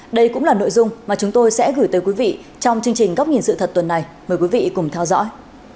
đây cũng là nội dung mà chúng tôi sẽ gửi tới quý vị trong chương trình góc nhìn sự thật tuần này mời quý vị cùng theo dõi